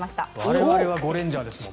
我々はゴレンジャーですもん。